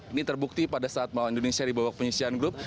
ini terbukti pada saat melawan indonesia di babak penyisian grup